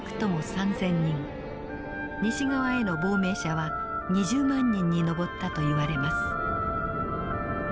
西側への亡命者は２０万人に上ったといわれます。